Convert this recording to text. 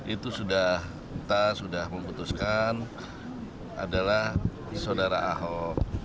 itu sudah kita sudah memutuskan adalah saudara ahok